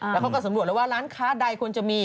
แล้วเขาก็สำรวจแล้วว่าร้านค้าใดควรจะมี